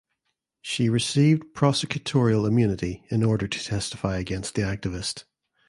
She received prosecutorial immunity in order to testify against the activist.